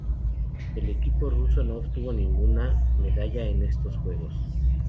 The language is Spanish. El equipo ruso no obtuvo ninguna medalla en estos Juegos.